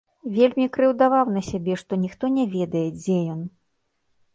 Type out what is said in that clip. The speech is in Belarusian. Вельмі крыўдаваў на сябе, што ніхто не ведае, дзе ён.